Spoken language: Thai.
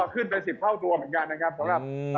ขึ้นไป๑๐เท่าตั๋วเหมือนกันนะครับ